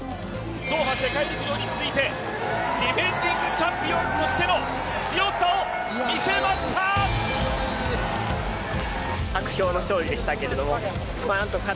ドーハ世界陸上に続いてディフェンディングチャンピオンとしての強さを見せました。